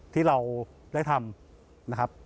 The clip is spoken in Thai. ที่เราได้ทำนะครับ